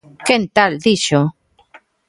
¡Quen tal dixo!